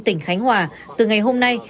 tỉnh khánh hòa từ ngày hôm nay